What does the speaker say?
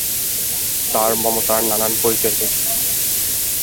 তাঁর মমতার নানান পরিচয় পেয়েছি।